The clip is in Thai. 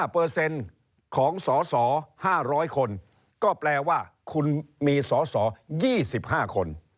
แปลว่าคุณมีสอสอ๒๕คน